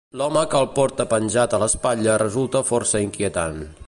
L'home que el porta penjat a l'espatlla resulta força inquietant.